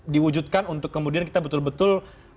diwujudkan untuk kemudian kita betul betul